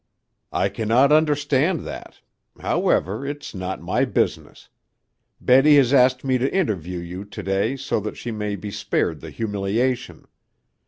"I cannot understand that. However, it's not my business. Betty has asked me to interview you to day so that she may be spared the humiliation.